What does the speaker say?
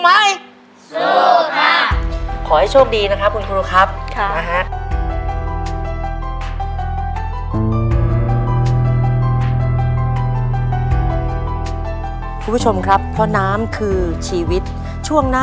ในแคมเปญพิเศษเกมต่อชีวิตโรงเรียนของหนู